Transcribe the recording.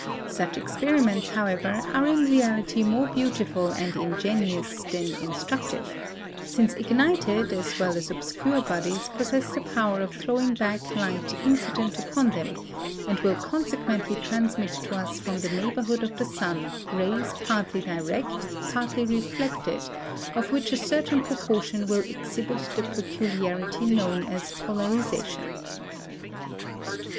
Such experiments, however, are in reality more beautiful and ingenious than instructive, since ignited as well as obscure bodies possess the power of throwing back light incident upon them, and will consequently transmit to us from the neighbourhood of the sun rays partly direct, partly reflected, of which a certain proportion will exhibit the peculiarity known as polarisation.